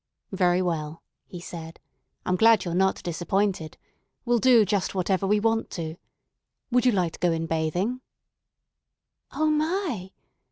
"Very well," he said, "I'm glad you're not disappointed. We'll do just whatever we want to. Would you like to go in bathing?" "O, my!